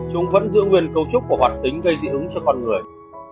chúng vẫn giữ nguyên cấu trúc của hoạt tính gây dị ứng cho con người